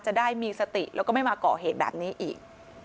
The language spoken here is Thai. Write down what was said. จะได้มีสติแล้วก็ไม่มาก่อเหตุแบบนี้อีก